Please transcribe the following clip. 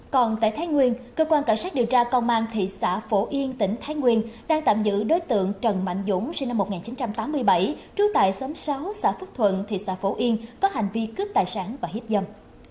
còn tại thái nguyên cơ quan cảnh sát điều tra công an thị xã phổ yên tỉnh thái nguyên đang tạm giữ đối tượng trần mạnh dũng sinh năm một nghìn chín trăm tám mươi bảy trú tại xóm sáu xã phúc thuận thị xã phổ yên có hành vi cướp tài sản và hiếp dâm